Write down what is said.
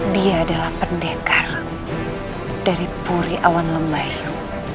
dia adalah pendekar dari puri awan lemayu